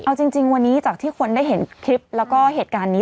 เอาจริงวันนี้จากที่คนได้เห็นคลิปแล้วก็เหตุการณ์นี้